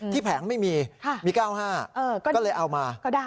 ที่แผงไม่มีค่ะมีเก้าห้าเออก็เลยเอามาก็ได้